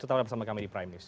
tetap bersama kami di prime news